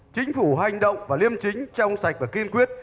chính phủ hành động và liêm chính trong sạch và kiên quyết